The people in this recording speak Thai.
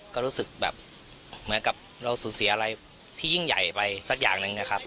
ก็รู้สึกแบบเหมือนกับเราสูญเสียอะไรที่ยิ่งใหญ่ไปสักอย่างหนึ่งนะครับ